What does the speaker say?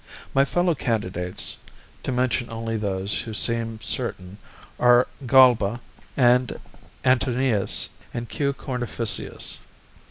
My fellow candidates, to mention only those who seem certain, are Galba and Antonius and Q. Cornificius.